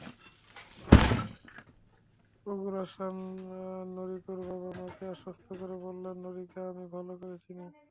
ওগুরাসান নোরিকোর বাবা-মাকে আশ্বস্ত করে বললেন, নোরিকোকে আমি ভালো করে চিনি।